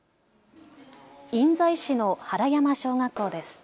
印西市の原山小学校です。